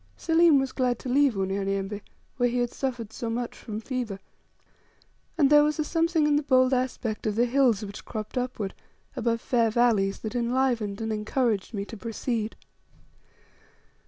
Selim was glad to leave Unyanyembe, where he had suffered so much from fever; and there was a something in the bold aspect of the hills which cropped upward above fair valleys, that enlivened and encouraged me to proceed.